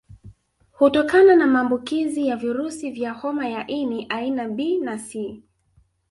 Hutokana na maambukizi ya virusi vya homa ini aina B na C